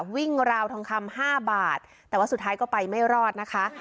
วิ่งราวทองคำ๕บาทแต่ว่าสุดท้ายก็ไปไม่รอดนะคะ